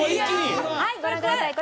はいご覧ください。